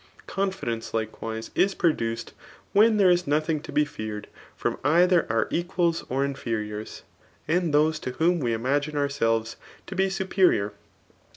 Confidence likewise is produced when there is noch^g to bp feared from either our equals or inferiors^ and those tfi whom we imagine ourselves to be superior.